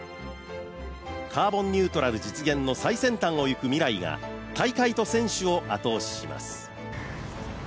カーボンニュートラル実現の最先端を行くＭＩＲＡＩが大会と選手を後押しします。